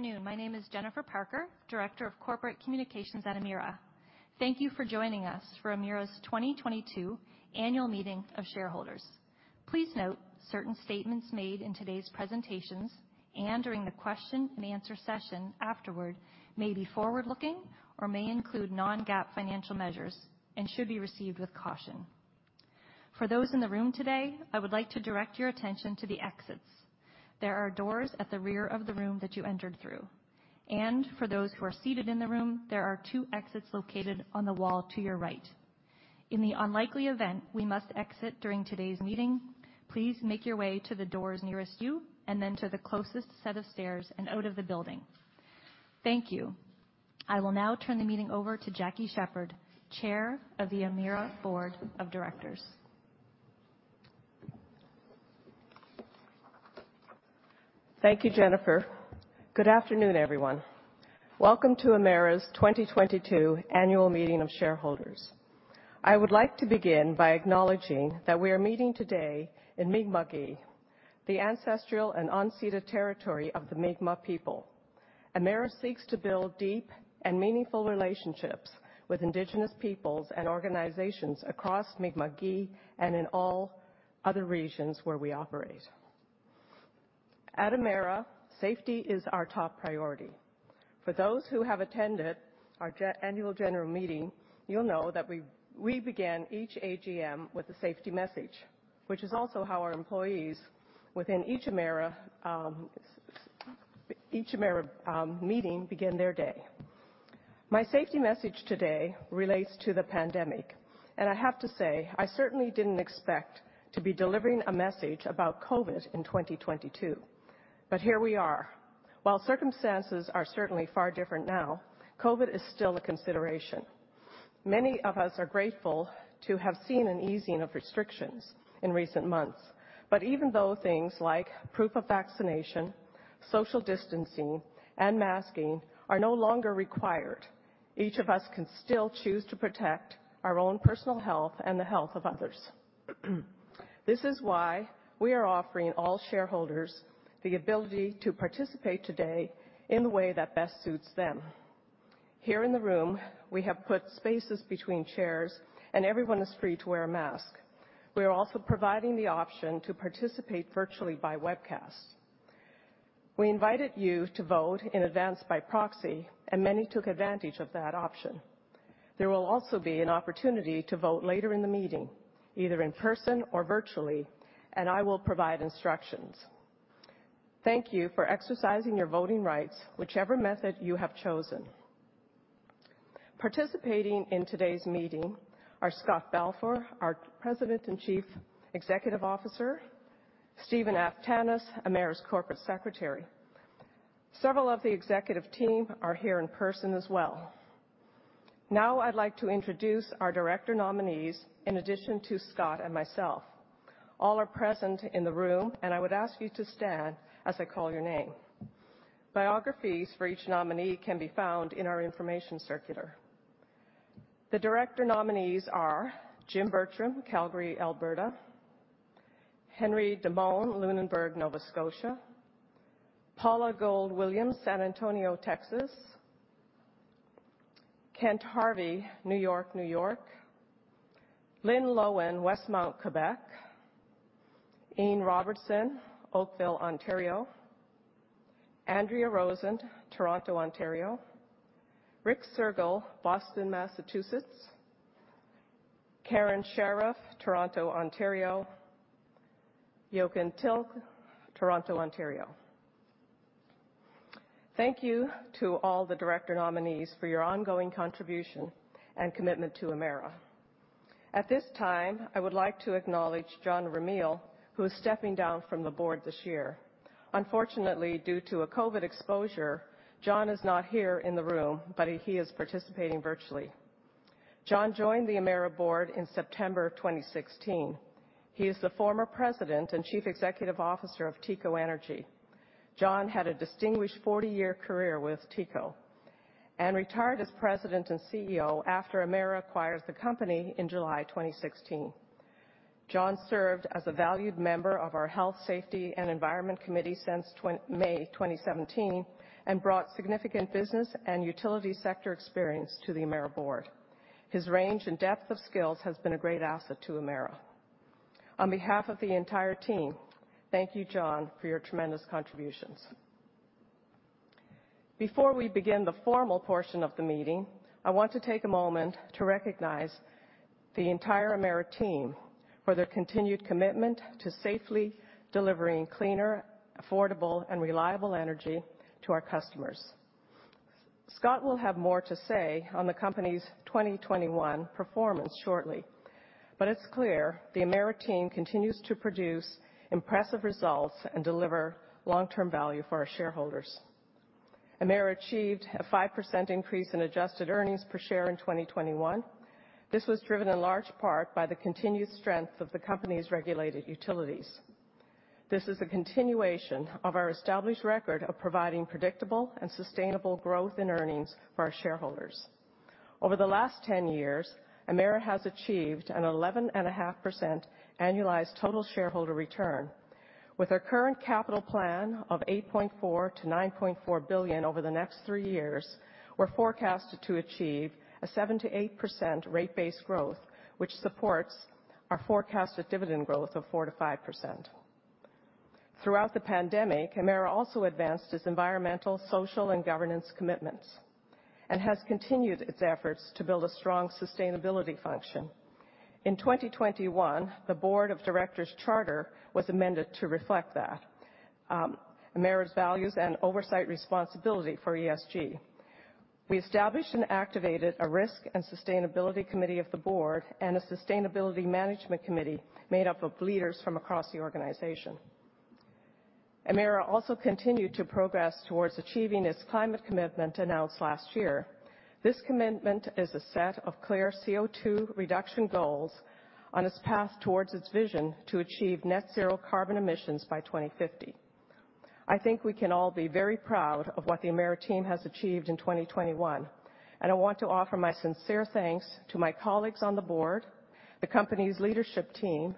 Good afternoon. My name is Jennifer Parker, Director of Corporate Communications at Emera Inc. Thank you for joining us for Emera's 2022 Annual Meeting of Shareholders. Please note, certain statements made in today's presentations and during the Q&A session afterward may be forward-looking or may include non-GAAP financial measures and should be received with caution. For those in the room today, I would like to direct your attention to the exits. There are doors at the rear of the room that you entered through. For those who are seated in the room, there are two exits located on the wall to your right. In the unlikely event we must exit during today's meeting, please make your way to the doors nearest you, and then to the closest set of stairs and out of the building. Thank you. I will now turn the meeting over to Jackie Sheppard, Chair of the Emera Board of Directors. Thank you, Jennifer. Good afternoon, everyone. Welcome to Emera's 2022 Annual Meeting of Shareholders. I would like to begin by acknowledging that we are meeting today in Mi'kma'ki, the ancestral and unceded territory of the Mi'kmaq people. Emera seeks to build deep and meaningful relationships with indigenous peoples and organizations across Mi'kma'ki and in all other regions where we operate. At Emera, safety is our top priority. For those who have attended our annual general meeting, you'll know that we begin each AGM with a safety message, which is also how our employees within each Emera meeting begin their day. My safety message today relates to the pandemic, and I have to say, I certainly didn't expect to be delivering a message about COVID in 2022, but here we are. While circumstances are certainly far different now, COVID is still a consideration. Many of us are grateful to have seen an easing of restrictions in recent months. Even though things like proof of vaccination, social distancing, and masking are no longer required, each of us can still choose to protect our own personal health and the health of others. This is why we are offering all shareholders the ability to participate today in the way that best suits them. Here in the room, we have put spaces between chairs, and everyone is free to wear a mask. We are also providing the option to participate virtually by webcast. We invited you to vote in advance by proxy, and many took advantage of that option. There will also be an opportunity to vote later in the meeting, either in person or virtually, and I will provide instructions. Thank you for exercising your voting rights, whichever method you have chosen. Participating in today's meeting are Scott Balfour, our President and Chief Executive Officer, Stephen Aftanas, Emera's Corporate Secretary. Several of the executive team are here in person as well. Now I'd like to introduce our director nominees, in addition to Scott and myself. All are present in the room, and I would ask you to stand as I call your name. Biographies for each nominee can be found in our information circular. The director nominees are Jim Bertram, Calgary, Alberta. Henry Demone, Lunenburg, Nova Scotia. Paula Gold-Williams, San Antonio, Texas. Kent Harvey, New York, New York. Lynn Loewen, Westmount, Quebec. Ian Robertson, Oakville, Ontario. Andrea Rosen, Toronto, Ontario. Rick Sergel, Boston, Massachusetts. Karen Sheriff, Toronto, Ontario. Jochen Tilk, Toronto, Ontario. Thank you to all the director nominees for your ongoing contribution and commitment to Emera. At this time, I would like to acknowledge John Ramil, who is stepping down from the board this year. Unfortunately, due to a COVID exposure, John is not here in the room, but he is participating virtually. John joined the Emera board in September 2016. He is the former President and Chief Executive Officer of TECO Energy. John had a distinguished 40-year career with TECO and retired as President and CEO after Emera acquired the company in July 2016. John served as a valued member of our Health, Safety and Environment Committee since May 2017 and brought significant business and utility sector experience to the Emera board. His range and depth of skills has been a great asset to Emera. On behalf of the entire team, thank you, John, for your tremendous contributions. Before we begin the formal portion of the meeting, I want to take a moment to recognize the entire Emera team for their continued commitment to safely delivering cleaner, affordable, and reliable energy to our customers. Scott will have more to say on the company's 2021 performance shortly, but it's clear the Emera team continues to produce impressive results and deliver long-term value for our shareholders. Emera achieved a 5% increase in adjusted earnings per share in 2021. This was driven in large part by the continued strength of the company's regulated utilities. This is a continuation of our established record of providing predictable and sustainable growth in earnings for our shareholders. Over the last 10 years, Emera has achieved an 11.5% annualized total shareholder return. With our current capital plan of 8.4 billion-9.4 billion over the next 3 years, we're forecasted to achieve a 7%-8% rate base growth, which supports our forecasted dividend growth of 4%-5%. Throughout the pandemic, Emera also advanced its environmental, social, and governance commitments, and has continued its efforts to build a strong sustainability function. In 2021, the board of directors charter was amended to reflect that, Emera's values and oversight responsibility for ESG. We established and activated a risk and sustainability committee of the board and a sustainability management committee made up of leaders from across the organization. Emera also continued to progress towards achieving its climate commitment announced last year. This commitment is a set of clear CO2 reduction goals on its path towards its vision to achieve net zero carbon emissions by 2050. I think we can all be very proud of what the Emera team has achieved in 2021, and I want to offer my sincere thanks to my colleagues on the board, the company's leadership team,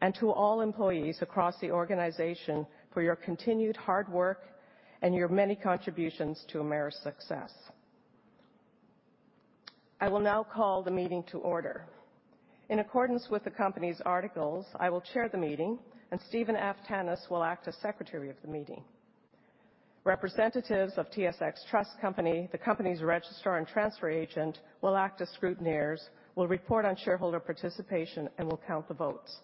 and to all employees across the organization for your continued hard work and your many contributions to Emera's success. I will now call the meeting to order. In accordance with the company's articles, I will chair the meeting, and Stephen Aftanas will act as secretary of the meeting. Representatives of TSX Trust Company, the company's registrar and transfer agent, will act as scrutineers, will report on shareholder participation, and will count the votes.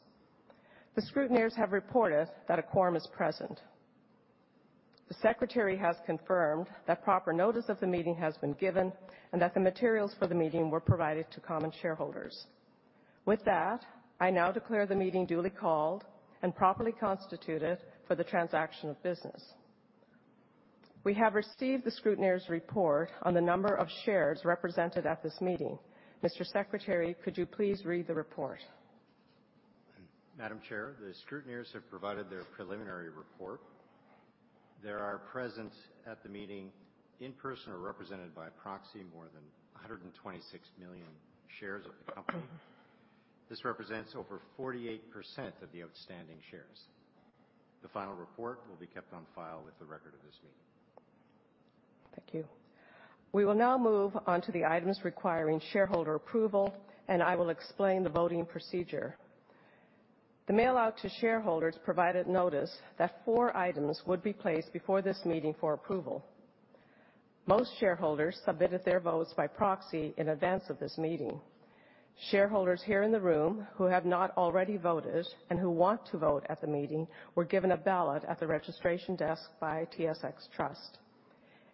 The scrutineers have reported that a quorum is present. The secretary has confirmed that proper notice of the meeting has been given, and that the materials for the meeting were provided to common shareholders. With that, I now declare the meeting duly called and properly constituted for the transaction of business. We have received the scrutineer's report on the number of shares represented at this meeting. Mr. Secretary, could you please read the report? Madam Chair, the scrutineers have provided their preliminary report. There are present at the meeting, in person or represented by proxy, more than 126 million shares of the company. This represents over 48% of the outstanding shares. The final report will be kept on file with the record of this meeting. Thank you. We will now move on to the items requiring shareholder approval, and I will explain the voting procedure. The mail out to shareholders provided notice that four items would be placed before this meeting for approval. Most shareholders submitted their votes by proxy in advance of this meeting. Shareholders here in the room who have not already voted and who want to vote at the meeting were given a ballot at the registration desk by TSX Trust.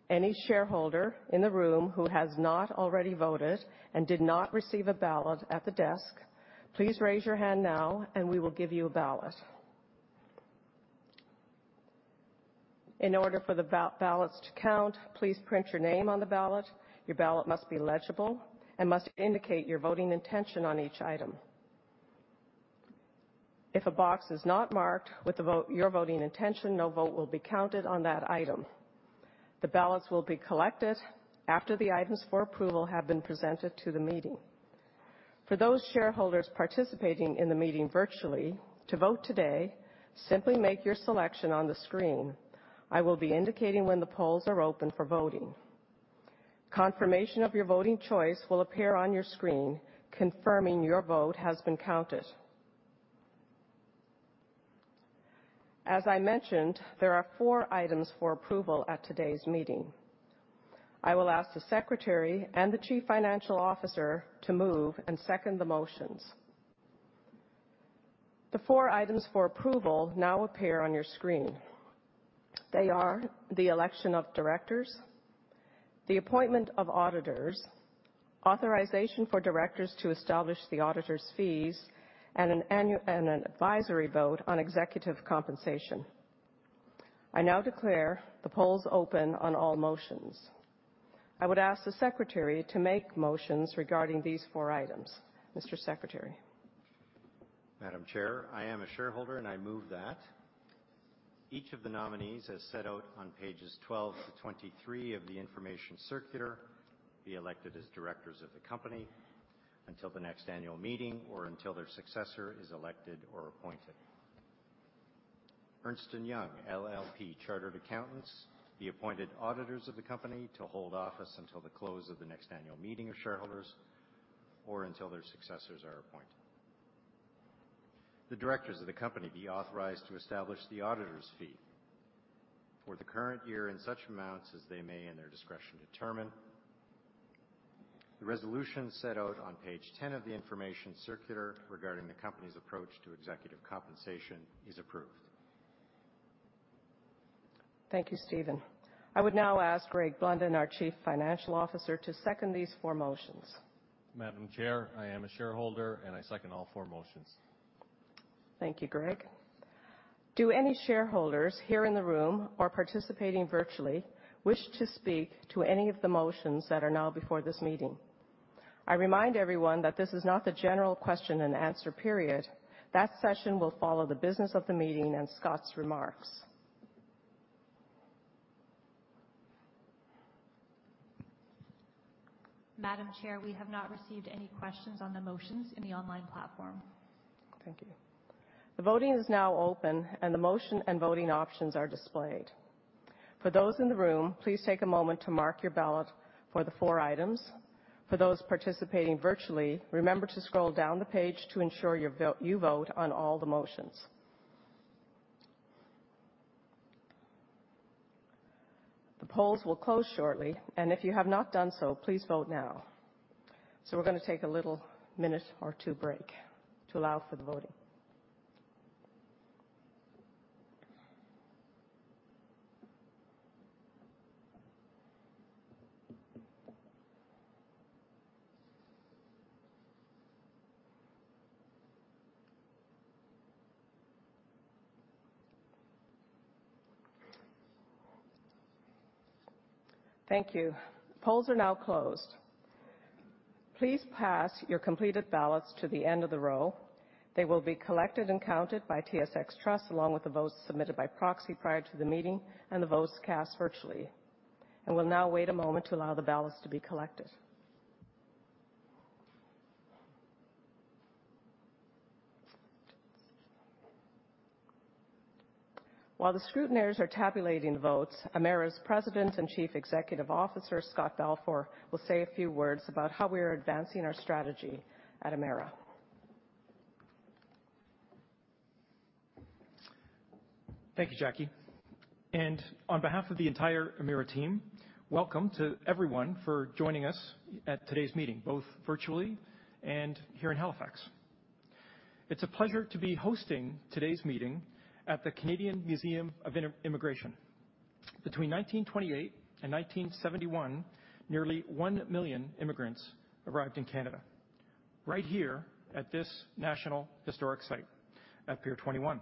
Any shareholder in the room who has not already voted and did not receive a ballot at the desk, please raise your hand now, and we will give you a ballot. In order for the ballots to count, please print your name on the ballot. Your ballot must be legible and must indicate your voting intention on each item. If a box is not marked with the vote, your voting intention, no vote will be counted on that item. The ballots will be collected after the items for approval have been presented to the meeting. For those shareholders participating in the meeting virtually, to vote today, simply make your selection on the screen. I will be indicating when the polls are open for voting. Confirmation of your voting choice will appear on your screen, confirming your vote has been counted. As I mentioned, there are four items for approval at today's meeting. I will ask the secretary and the chief financial officer to move and second the motions. The four items for approval now appear on your screen. They are the election of directors, the appointment of auditors, authorization for directors to establish the auditors' fees, and an advisory vote on executive compensation. I now declare the polls open on all motions. I would ask the secretary to make motions regarding these four items. Mr. Secretary. Madam Chair, I am a shareholder, and I move that each of the nominees, as set out on pages 12-23 of the information circular, be elected as directors of the company until the next annual meeting or until their successor is elected or appointed. Ernst & Young LLP Chartered Accountants be appointed auditors of the company to hold office until the close of the next annual meeting of shareholders or until their successors are appointed. The directors of the company be authorized to establish the auditors' fee for the current year in such amounts as they may, in their discretion, determine. The resolution set out on page 10 of the information circular regarding the company's approach to executive compensation is approved. Thank you, Stephen Aftanas. I would now ask Greg Blunden, our Chief Financial Officer, to second these four motions. Madam Chair, I am a shareholder, and I second all four motions. Thank you, Greg. Do any shareholders here in the room or participating virtually wish to speak to any of the motions that are now before this meeting? I remind everyone that this is not the general Q&A period. That session will follow the business of the meeting and Scott's remarks. Madam Chair, we have not received any questions on the motions in the online platform. Thank you. The voting is now open, and the motion and voting options are displayed. For those in the room, please take a moment to mark your ballot for the four items. For those participating virtually, remember to scroll down the page to ensure you vote on all the motions. The polls will close shortly, and if you have not done so, please vote now. We're gonna take a little minute or two break to allow for the voting. Thank you. Polls are now closed. Please pass your completed ballots to the end of the row. They will be collected and counted by TSX Trust along with the votes submitted by proxy prior to the meeting and the votes cast virtually. We'll now wait a moment to allow the ballots to be collected. While the scrutineers are tabulating votes, Emera's President and Chief Executive Officer, Scott Balfour, will say a few words about how we are advancing our strategy at Emera. Thank you, Jackie. On behalf of the entire Emera team, welcome to everyone for joining us at today's meeting, both virtually and here in Halifax. It's a pleasure to be hosting today's meeting at the Canadian Museum of Immigration. Between 1928 and 1971, nearly 1 million immigrants arrived in Canada right here at this national historic site at Pier 21.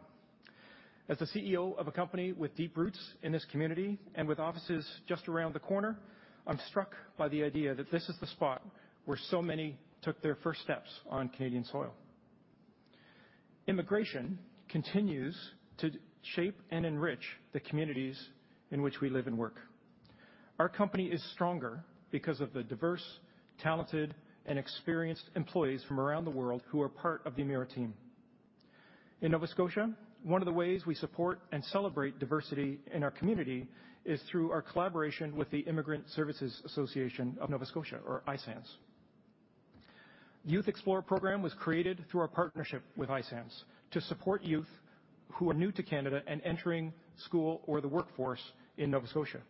As the CEO of a company with deep roots in this community and with offices just around the corner, I'm struck by the idea that this is the spot where so many took their first steps on Canadian soil. Immigration continues to shape and enrich the communities in which we live and work. Our company is stronger because of the diverse, talented, and experienced employees from around the world who are part of the Emera team. In Nova Scotia, one of the ways we support and celebrate diversity in our community is through our collaboration with the Immigrant Services Association of Nova Scotia or ISANS. Youth Explore! program was created through our partnership with ISANS to support youth who are new to Canada and entering school or the workforce in Nova Scotia.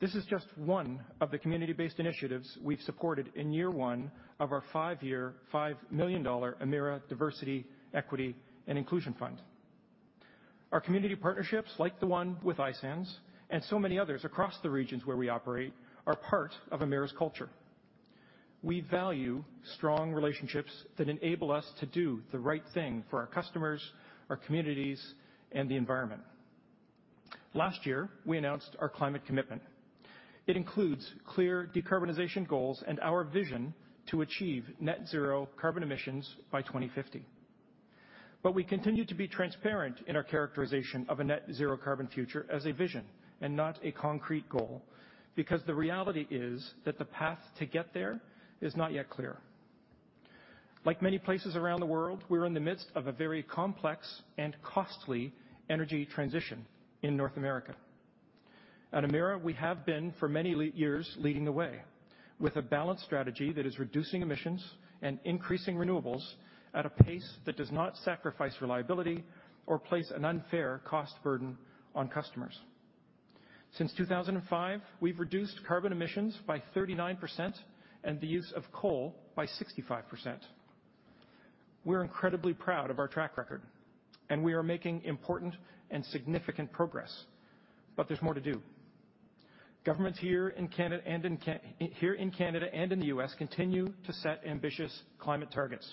This is just one of the community-based initiatives we've supported in year one of our 5-year, 5 million dollar Emera Diversity, Equity & Inclusion Fund. Our community partnerships, like the one with ISANS and so many others across the regions where we operate, are part of Emera's culture. We value strong relationships that enable us to do the right thing for our customers, our communities, and the environment. Last year, we announced our climate commitment. It includes clear decarbonization goals and our vision to achieve net zero carbon emissions by 2050. We continue to be transparent in our characterization of a net zero carbon future as a vision and not a concrete goal, because the reality is that the path to get there is not yet clear. Like many places around the world, we're in the midst of a very complex and costly energy transition in North America. At Emera, we have been, for many years, leading the way with a balanced strategy that is reducing emissions and increasing renewables at a pace that does not sacrifice reliability or place an unfair cost burden on customers. Since 2005, we've reduced carbon emissions by 39% and the use of coal by 65%. We're incredibly proud of our track record, and we are making important and significant progress, but there's more to do. Governments here in Canada and in the US continue to set ambitious climate targets.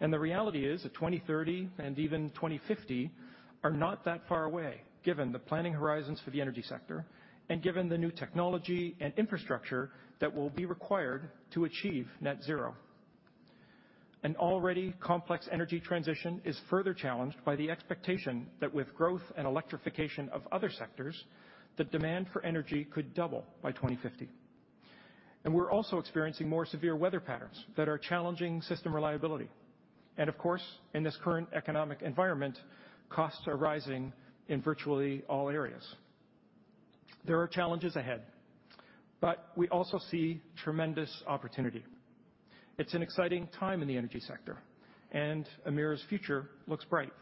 The reality is that 2030 and even 2050 are not that far away, given the planning horizons for the energy sector and given the new technology and infrastructure that will be required to achieve net zero. An already complex energy transition is further challenged by the expectation that with growth and electrification of other sectors, the demand for energy could double by 2050. We're also experiencing more severe weather patterns that are challenging system reliability. Of course, in this current economic environment, costs are rising in virtually all areas. There are challenges ahead, but we also see tremendous opportunity. It's an exciting time in the energy sector, and Emera's future looks bright.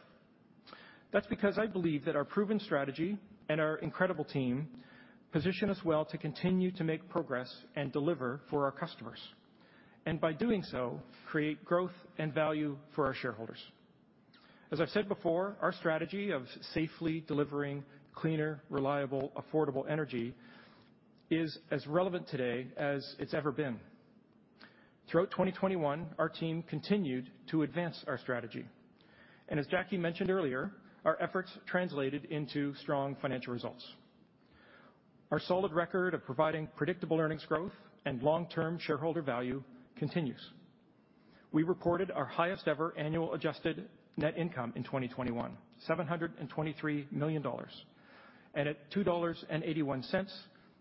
That's because I believe that our proven strategy and our incredible team position us well to continue to make progress and deliver for our customers. By doing so, create growth and value for our shareholders. As I've said before, our strategy of safely delivering cleaner, reliable, affordable energy is as relevant today as it's ever been. Throughout 2021, our team continued to advance our strategy. As Jackie mentioned earlier, our efforts translated into strong financial results. Our solid record of providing predictable earnings growth and long-term shareholder value continues. We reported our highest ever annual adjusted net income in 2021, 723 million dollars. At 2.81 dollars,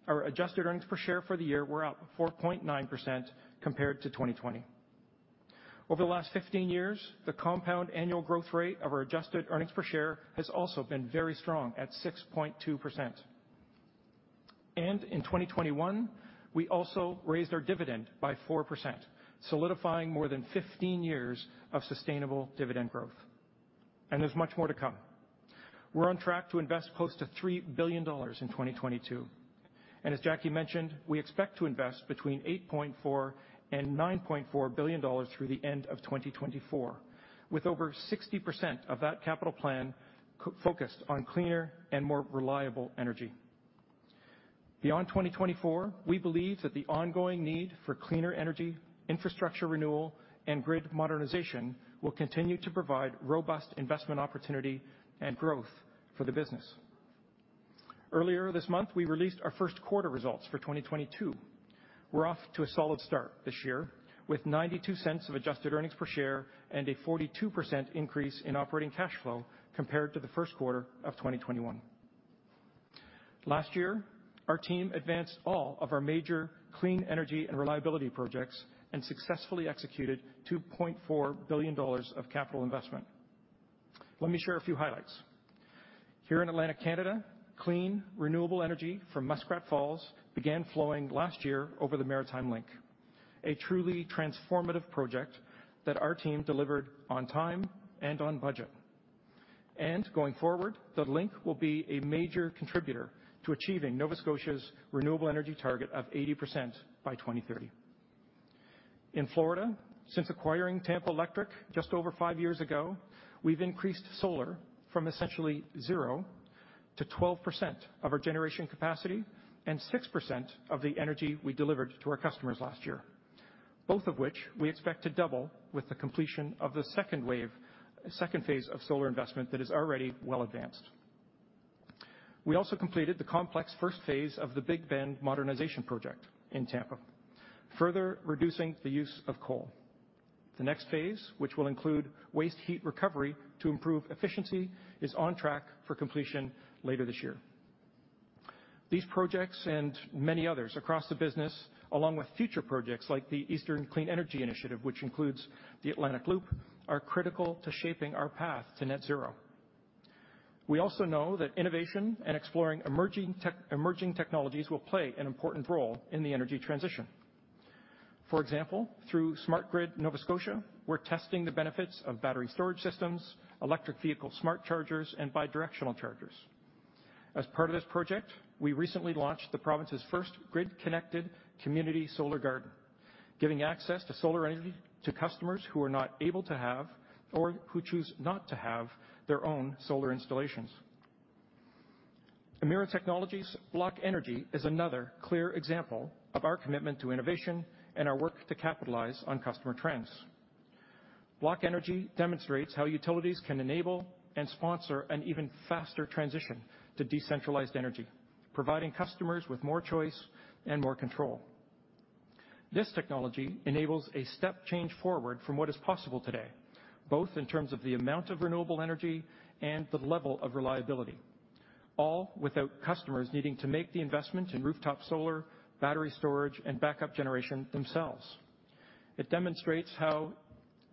our adjusted earnings per share for the year were up 4.9% compared to 2020. Over the last 15 years, the compound annual growth rate of our adjusted earnings per share has also been very strong at 6.2%. In 2021, we also raised our dividend by 4%, solidifying more than 15 years of sustainable dividend growth. There's much more to come. We're on track to invest close to 3 billion dollars in 2022. As Jackie mentioned, we expect to invest between 8.4 billion and 9.4 billion dollars through the end of 2024, with over 60% of that capital plan co-focused on cleaner and more reliable energy. Beyond 2024, we believe that the ongoing need for cleaner energy, infrastructure renewal, and grid modernization will continue to provide robust investment opportunity and growth for the business. Earlier this month, we released our Q1 results for 2022. We're off to a solid start this year with 0.92 adjusted earnings per share and a 42% increase in operating cash flow compared to the Q1 of 2021. Last year, our team advanced all of our major clean energy and reliability projects and successfully executed 2.4 billion dollars of capital investment. Let me share a few highlights. Here in Atlantic Canada, clean, renewable energy from Muskrat Falls began flowing last year over the Maritime Link, a truly transformative project that our team delivered on time and on budget. Going forward, the link will be a major contributor to achieving Nova Scotia's renewable energy target of 80% by 2030. In Florida, since acquiring Tampa Electric just over 5 years ago, we've increased solar from essentially zero to 12% of our generation capacity and 6% of the energy we delivered to our customers last year, both of which we expect to double with the completion of the second phase of solar investment that is already well advanced. We also completed the complex first phase of the Big Bend Modernization Project in Tampa, further reducing the use of coal. The next phase, which will include waste heat recovery to improve efficiency, is on track for completion later this year. These projects and many others across the business, along with future projects like the Eastern Clean Energy Initiative, which includes the Atlantic Loop, are critical to shaping our path to net zero. We also know that innovation and exploring emerging technologies will play an important role in the energy transition. For example, through Smart Grid Nova Scotia, we're testing the benefits of battery storage systems, electric vehicle smart chargers, and bi-directional chargers. As part of this project, we recently launched the province's first grid-connected community solar garden, giving access to solar energy to customers who are not able to have or who choose not to have their own solar installations. Emera Technologies' BlockEnergy is another clear example of our commitment to innovation and our work to capitalize on customer trends. BlockEnergy demonstrates how utilities can enable and sponsor an even faster transition to decentralized energy, providing customers with more choice and more control. This technology enables a step change forward from what is possible today, both in terms of the amount of renewable energy and the level of reliability, all without customers needing to make the investment in rooftop solar, battery storage, and backup generation themselves. It demonstrates how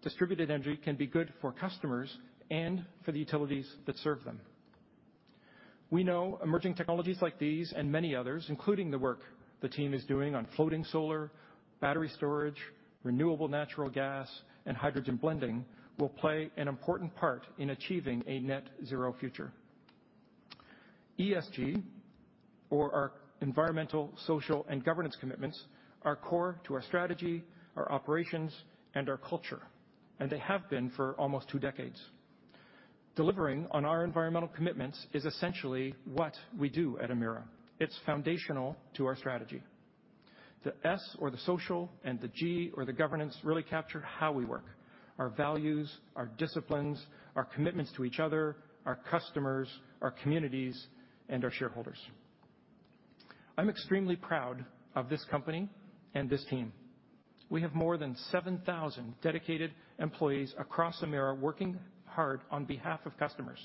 distributed energy can be good for customers and for the utilities that serve them. We know emerging technologies like these and many others, including the work the team is doing on floating solar, battery storage, renewable natural gas, and hydrogen blending, will play an important part in achieving a net zero future. ESG or our environmental, social, and governance commitments are core to our strategy, our operations, and our culture, and they have been for almost two decades. Delivering on our environmental commitments is essentially what we do at Emera. It's foundational to our strategy. The S or the social and the G or the governance really capture how we work, our values, our disciplines, our commitments to each other, our customers, our communities, and our shareholders. I'm extremely proud of this company and this team. We have more than 7,000 dedicated employees across Emera working hard on behalf of customers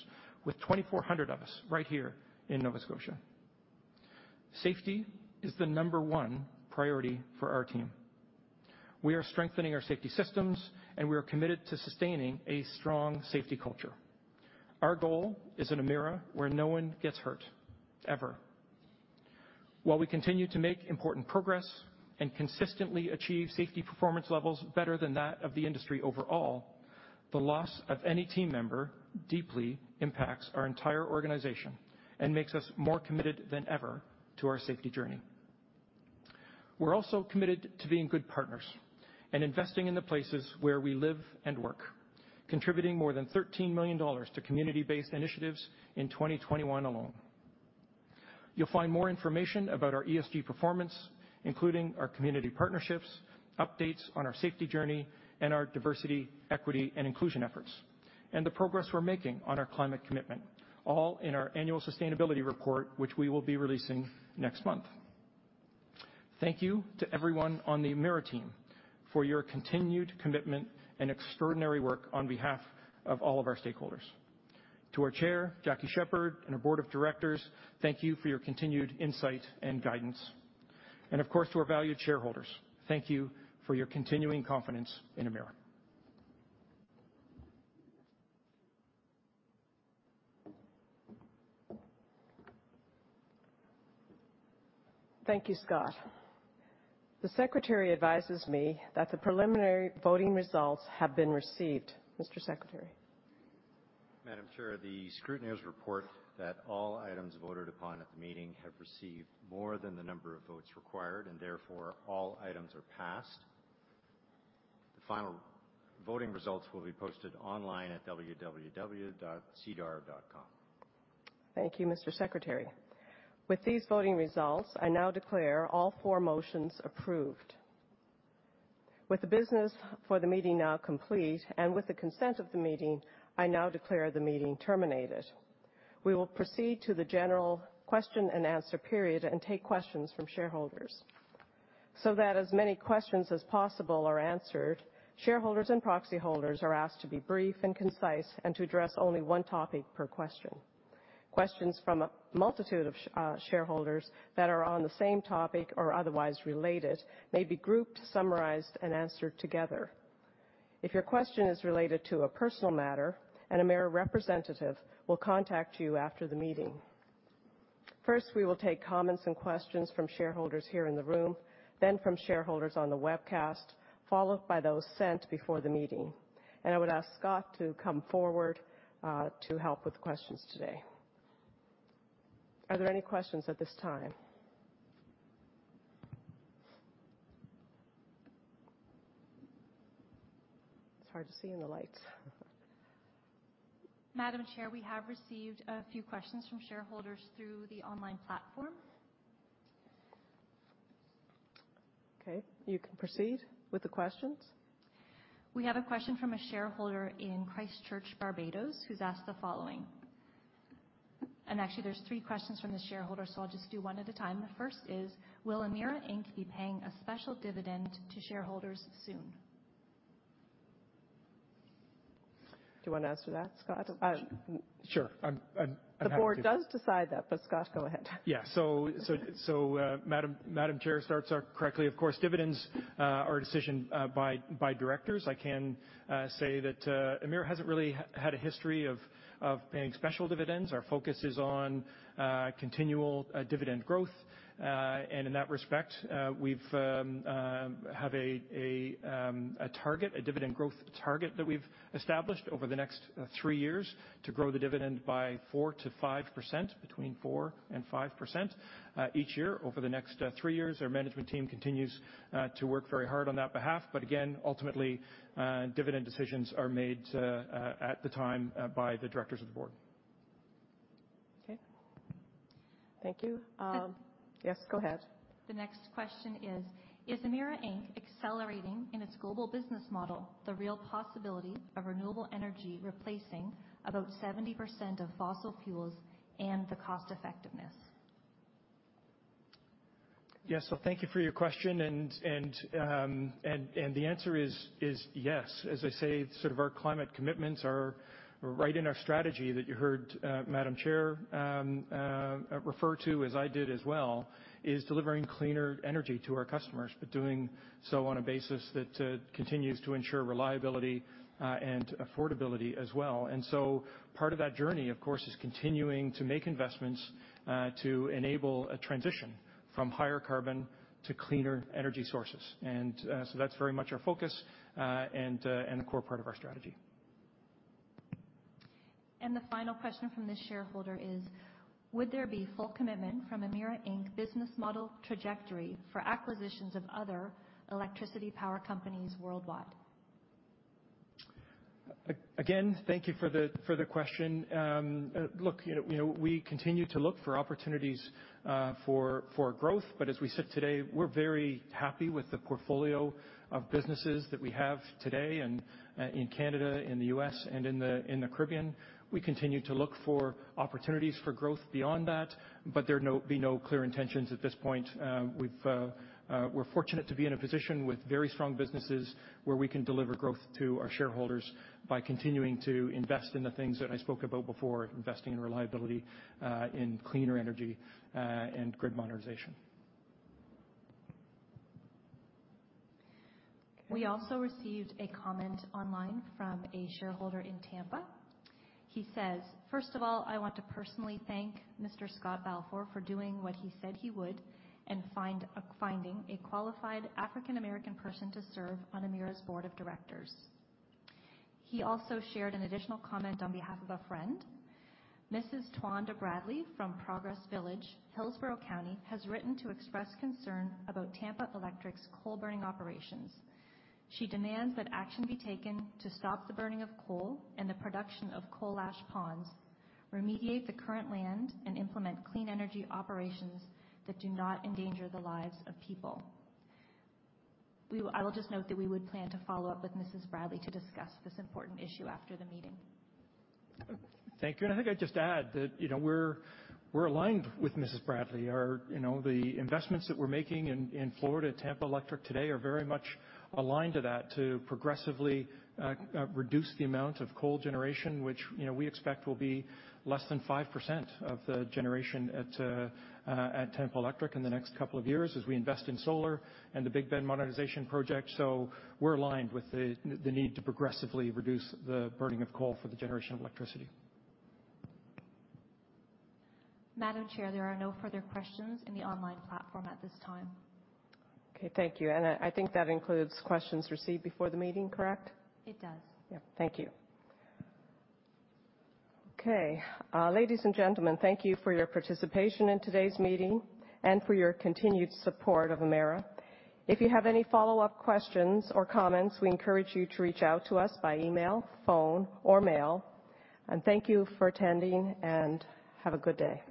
with 2,400 of us right here in Nova Scotia. Safety is the number one priority for our team. We are strengthening our safety systems, and we are committed to sustaining a strong safety culture. Our goal is an Emera where no one gets hurt, ever. While we continue to make important progress and consistently achieve safety performance levels better than that of the industry overall, the loss of any team member deeply impacts our entire organization and makes us more committed than ever to our safety journey. We're also committed to being good partners and investing in the places where we live and work, contributing more than 13 million dollars to community-based initiatives in 2021 alone. You'll find more information about our ESG performance, including our community partnerships, updates on our safety journey and our diversity, equity, and inclusion efforts, and the progress we're making on our climate commitment, all in our annual sustainability report, which we will be releasing next month. Thank you to everyone on the Emera team for your continued commitment and extraordinary work on behalf of all of our stakeholders. To our Chair, Jackie Sheppard, and our board of directors, thank you for your continued insight and guidance. Of course, to our valued shareholders, thank you for your continuing confidence in Emera. Thank you, Scott. The Secretary advises me that the preliminary voting results have been received. Mr. Secretary. Madam Chair, the scrutineers report that all items voted upon at the meeting have received more than the number of votes required, and therefore, all items are passed. The final voting results will be posted online at www.sedar.com. Thank you, Mr. Secretary. With these voting results, I now declare all four motions approved. With the business for the meeting now complete, and with the consent of the meeting, I now declare the meeting terminated. We will proceed to the general question-and-answer period and take questions from shareholders. That as many questions as possible are answered, shareholders and proxy holders are asked to be brief and concise and to address only one topic per question. Questions from a multitude of shareholders that are on the same topic or otherwise related may be grouped, summarized, and answered together. If your question is related to a personal matter, an Emera representative will contact you after the meeting. First, we will take comments and questions from shareholders here in the room, then from shareholders on the webcast, followed by those sent before the meeting. I would ask Scott to come forward to help with questions today. Are there any questions at this time? It's hard to see in the lights. Madam Chair, we have received a few questions from shareholders through the online platform. Okay. You can proceed with the questions. We have a question from a shareholder in Christchurch, Barbados, who's asked the following. Actually, there's three questions from the shareholder, so I'll just do one at a time. The first is, "Will Emera Inc. be paying a special dividend to shareholders soon? Do you wanna answer that, Scott? Sure. I'm happy to- The board does decide that, but Scott, go ahead. Madam Chair states correctly. Of course, dividends are a decision by directors. I can say that Emera hasn't really had a history of paying special dividends. Our focus is on continual dividend growth. In that respect, we have a dividend growth target that we've established over the next 3 years to grow the dividend by 4%-5%, between 4% and 5%, each year over the next 3 years. Our management team continues to work very hard on that front. Ultimately, dividend decisions are made at the time by the directors of the board. Okay. Thank you. Can- Yes, go ahead. The next question is, "Is Emera Inc. accelerating in its global business model the real possibility of renewable energy replacing about 70% of fossil fuels and the cost effectiveness? Yes. Thank you for your question. The answer is yes. As I say, sort of our climate commitments are right in our strategy that you heard Madam Chair refer to, as I did as well, is delivering cleaner energy to our customers, but doing so on a basis that continues to ensure reliability and affordability as well. Part of that journey, of course, is continuing to make investments to enable a transition from higher carbon to cleaner energy sources. That's very much our focus, and a core part of our strategy. The final question from this shareholder is, "Would there be full commitment from Emera Inc. business model trajectory for acquisitions of other electricity power companies worldwide? Again, thank you for the question. Look, you know, we continue to look for opportunities for growth. As we said today, we're very happy with the portfolio of businesses that we have today and in Canada, in the US, and in the Caribbean. We continue to look for opportunities for growth beyond that, but there are no clear intentions at this point. We're fortunate to be in a position with very strong businesses where we can deliver growth to our shareholders by continuing to invest in the things that I spoke about before, investing in reliability, in cleaner energy, and grid modernization. Okay. We also received a comment online from a shareholder in Tampa. He says, "First of all, I want to personally thank Mr. Scott Balfour for doing what he said he would and finding a qualified African-American person to serve on Emera's board of directors." He also shared an additional comment on behalf of a friend. Mrs. Twanda Bradley from Progress Village, Hillsborough County, has written to express concern about Tampa Electric's coal burning operations. She demands that action be taken to stop the burning of coal and the production of coal ash ponds, remediate the current land, and implement clean energy operations that do not endanger the lives of people. I will just note that we would plan to follow up with Mrs. Bradley to discuss this important issue after the meeting. Thank you. I think I'd just add that, you know, we're aligned with Mrs. Bradley. You know, the investments that we're making in Florida, Tampa Electric today are very much aligned to that, to progressively reduce the amount of coal generation, which, you know, we expect will be less than 5% of the generation at Tampa Electric in the next couple of years as we invest in solar and the Big Bend modernization project. We're aligned with the need to progressively reduce the burning of coal for the generation of electricity. Madam Chair, there are no further questions in the online platform at this time. Okay. Thank you. I think that includes questions received before the meeting, correct? It does. Yeah. Thank you. Okay. Ladies and gentlemen, thank you for your participation in today's meeting and for your continued support of Emera. If you have any follow-up questions or comments, we encourage you to reach out to us by email, phone, or mail. Thank you for attending, and have a good day.